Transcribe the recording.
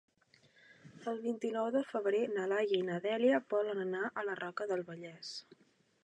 El vint-i-nou de febrer na Laia i na Dèlia volen anar a la Roca del Vallès.